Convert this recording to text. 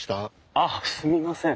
あっすみません。